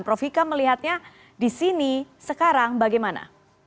prof hikam melihatnya di sini sekarang bagaimana